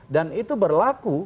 dan itu berlaku